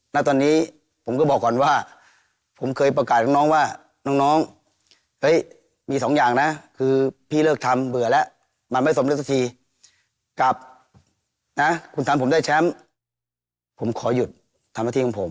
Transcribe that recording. ณตอนนี้ผมก็บอกก่อนว่าผมเคยประกาศของน้องว่าน้องเฮ้ยมีสองอย่างนะคือพี่เลิกทำเบื่อแล้วมันไม่สมลึกสักทีกับนะคุณทำผมได้แชมป์ผมขอหยุดทำหน้าที่ของผม